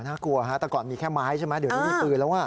โอ้โฮน่ากลัวแต่ก่อนมีแค่ไม้ใช่ไหมเดี๋ยวไม่มีปืนแล้ว